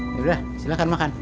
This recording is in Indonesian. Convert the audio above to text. sudah silakan makan